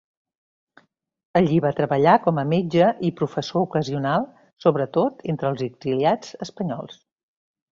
Allí va treballar com a metge i professor ocasional, sobretot entre els exiliats espanyols.